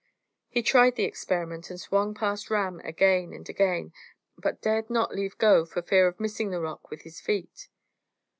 He tried the experiment, and swung past Ram again and again, but dared not leave go for fear of missing the rock with his feet.